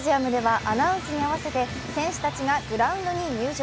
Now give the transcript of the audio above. スタジアムではアナウンスに合わせて選手たちがグラウンドに入場。